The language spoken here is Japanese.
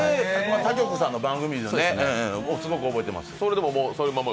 他局さんの番組でね、すごく覚えてます。